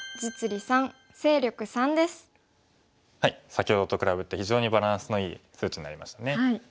先ほどと比べて非常にバランスのいい数値になりましたね。